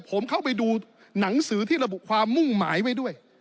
ผมเข้าไปดูหนังสือที่ระบุความมุ่งหมายไว้ด้วย